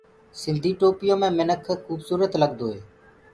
سِنڌي ٽوپيو مي منک کُبسورت لگدو هي۔